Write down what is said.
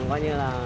coi như là